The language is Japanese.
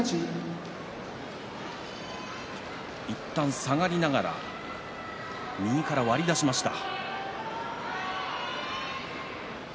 いったん下がりながら右から割り出しました。